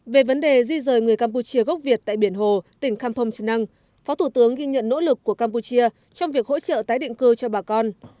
về vấn đề di rời người campuchia gốc việt tại biển hồ tỉnh kampong trần năng phó thủ tướng ghi nhận nỗ lực của campuchia trong việc hỗ trợ tái định cư cho bà con